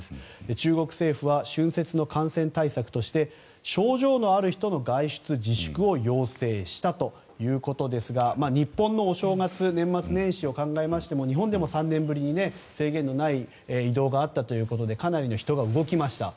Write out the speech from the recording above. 中国政府は春節の感染対策として症状のある人の外出自粛を要請したということですが日本のお正月、年末年始を考えましても日本でも３年ぶりに制限のない移動があったということでかなりの人が動きました。